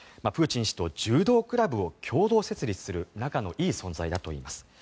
プーチン氏と柔道クラブを共同設立する仲のいい存在だといいます。